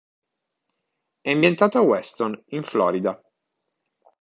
È ambientato a Weston, in Florida.